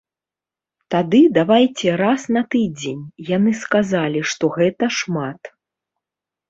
Тады давайце раз на тыдзень, яны сказалі, што гэта шмат.